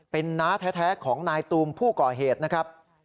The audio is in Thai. เป็นน้าแท้ของนายตูมผู้ก่อเหตุนะครับ